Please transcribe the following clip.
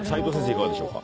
いかがでしょうか？